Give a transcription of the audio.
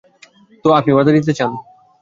তো আপনি বার্তা দিতে চান?